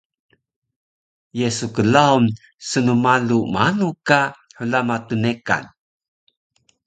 Ye su klaun snmalu maanu ka hlama tnekan?